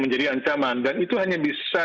menjadi ancaman dan itu hanya bisa